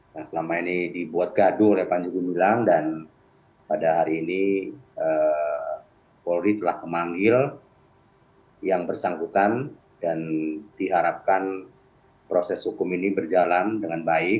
yang selama ini dibuat gaduh oleh panji gumilang dan pada hari ini polri telah memanggil yang bersangkutan dan diharapkan proses hukum ini berjalan dengan baik